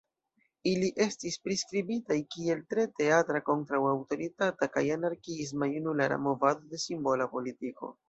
Ili estis priskribitaj kiel tre teatra, kontraŭ-aŭtoritata kaj anarkiisma junulara movado de "simbola politiko".